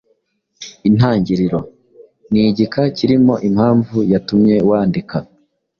Intangiriro: Ni igika kirimo impamvu yatumye wandika.